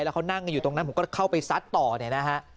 แล้วเขานั่งกันอยู่ตรงนั้นผมก็เข้าไปซัดต่อเนี่ยนะฮะ